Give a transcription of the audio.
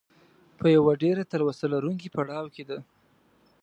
په یوه ډېره تلوسه لرونکي پړاو کې ده.